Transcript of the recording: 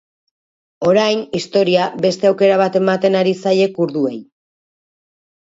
Orain, historia, beste aukera bat ematen ari zaie kurduei.